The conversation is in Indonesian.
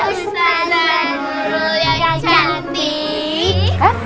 ustaz nurul yang cantik